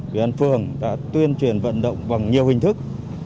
đoàn phường đã tuyên truyền vận động bằng nhiều hình thức